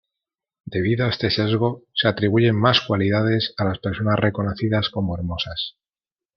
Debido a este sesgo, se atribuyen más cualidades a las personas reconocidas como hermosas.